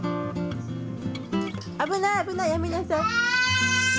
危ない危ないやめなさい。